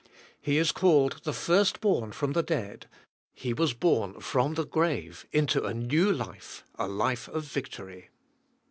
He is called the first born from the dead, he was born from the grave into a new life, a life of victory.